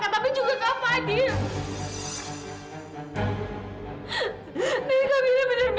tapi juga ketaufan